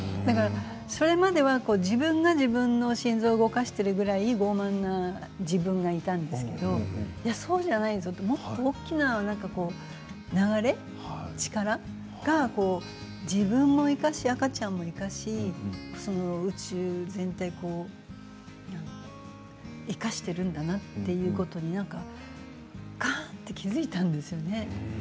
それまでは自分が自分の心臓を動かしてるぐらい傲慢な自分がいたんですけれどいやそうじゃないぞともっと大きな流れ、力が自分も生かし、赤ちゃんも生かし宇宙全体、なんだろう生かしているんだなということにカーンと気付いたんですよね。